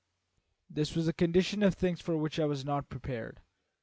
"This was a condition of things for which I was not prepared.